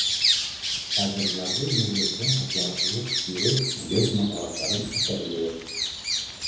Хәҙер ярҙы емерелеүҙән һаҡларлыҡ ерек, муйыл һымаҡ ағастарҙың әҫәре лә юҡ.